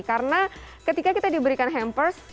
karena ketika kita diberikan hampers